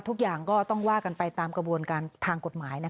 ทุกอย่างก็ต้องว่ากันไปตามกระบวนการทางกฎหมาย